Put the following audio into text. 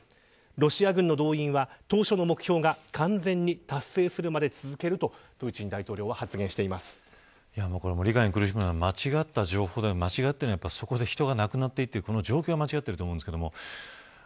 ロシア軍の動員は当初の目標が完全に達成されるまで続けるとプーチン大統領は理解に苦しむのは間違った情報でもそこで人が亡くなっているという状況が間違っていると思います。